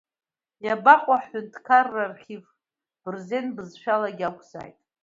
Иабаҟоу ҳҳәынҭқарра архив, бырзен бызшәалагьы акәзааит?